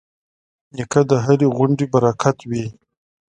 نیکه د هرې غونډې برکت وي.